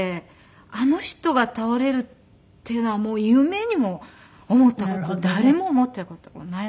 あの人が倒れるっていうのは夢にも思った事誰も思った事がないので。